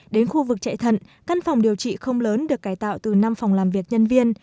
đến khu vực chạy thận căn phòng điều trị không lớn được cải tạo từ năm phòng làm việc nhân viên